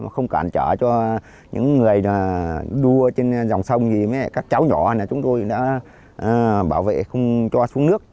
không cản trở cho những người đua trên dòng sông các cháu nhỏ chúng tôi đã bảo vệ không cho xuống nước